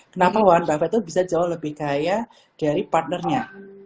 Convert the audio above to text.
kenapa wawan buffet itu bisa jauh lebih kaya dari partnernya